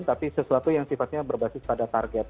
tapi sesuatu yang sifatnya berbasis pada target